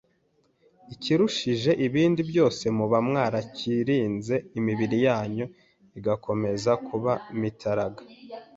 ikirushije ibindi byose, muba mwararinze imibiri yanyu igakomeza kuba mitaraga,